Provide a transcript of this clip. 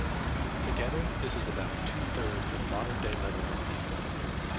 Together this is about two thirds of modern-day Lebanon.